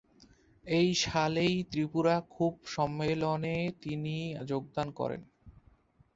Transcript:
এই সালেই ত্রিপুরা যুব সম্মেলনে তিনি যোগদান করেন।